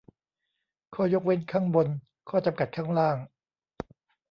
"ข้อยกเว้นข้างบน ข้อจำกัดข้างล่าง"